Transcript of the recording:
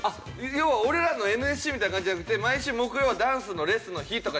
要は俺らのＮＳＣみたいな感じじゃなくて毎週木曜はダンスのレッスンの日とかじゃないんや。